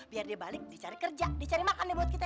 biar dia balik dicari kerja dicari makan nih buat kita